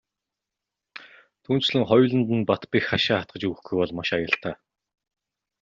Түүнчлэн хоёуланд нь бат бэх хашаа хатгаж өгөхгүй бол маш аюултай.